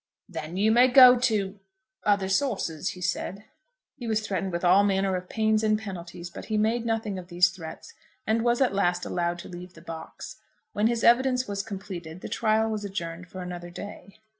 "Then you may go to other sources," he said. He was threatened with all manner of pains and penalties; but he made nothing of these threats, and was at last allowed to leave the box. When his evidence was completed the trial was adjourned for another day.